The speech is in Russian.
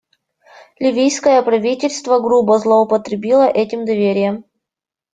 Ливийское правительство грубо злоупотребило этим доверием.